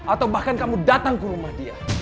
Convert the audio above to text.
atau bahkan kamu datang ke rumah dia